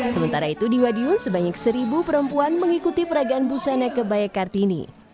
sementara itu di madiun sebanyak seribu perempuan mengikuti peragaan busana kebaya kartini